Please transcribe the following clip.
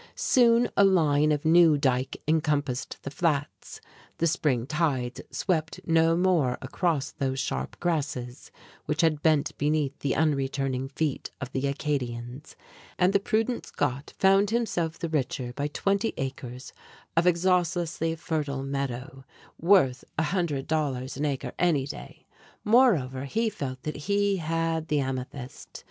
Soon a line of new dike encompassed the flats, the spring tides swept no more across those sharp grasses which had bent beneath the unreturning feet of the Acadians, and the prudent Scot found himself the richer by twenty acres of exhaustlessly fertile meadow, worth a hundred dollars an acre any day. Moreover, he felt that he had the amethyst.